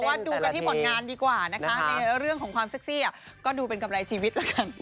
ว่าดูกันที่ผลงานดีกว่านะคะในเรื่องของความเซ็กซี่ก็ดูเป็นกำไรชีวิตแล้วกัน